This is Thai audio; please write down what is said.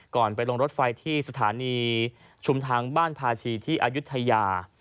ไปลงรถไฟที่สถานีชุมทางบ้านภาชีที่อายุทยา